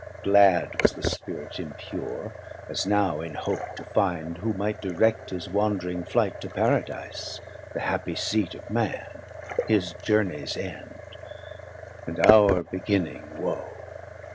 Glad was the Spirit impure as now in hope 630 To find who might direct his wandring flight To Paradise the happie seat of Man, His journies end and our beginning woe.